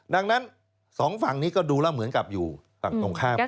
ดังนั้นสองฝั่งนี้ก็ดูแล้วเหมือนกับอยู่ฝั่งตรงข้าม